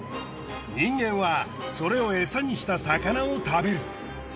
人間はそれをエサにした魚を食べる。